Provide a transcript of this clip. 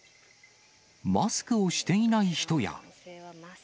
マスクをしていない人や。